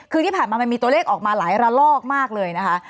คือที่ผ่านมามันมีตัวเลขออกมาหลายระลอกมากเลยนะคะ